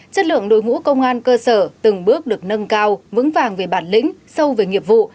chất lượng đối ngũ công an cơ sở từng bước được nâng cao vững vàng về bản lĩnh sâu về nghiệp vụ